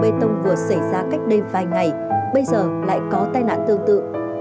bê tông vừa xảy ra cách đây vài ngày bây giờ lại có tai nạn tương tự